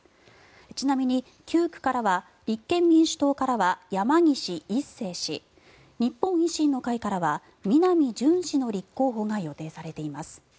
ちなみに９区からは立憲民主党からは山岸一生氏日本維新の会からは南純氏の立候補が予定されています。